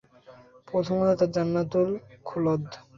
প্রথমত, তা জান্নাতুল খুলদ।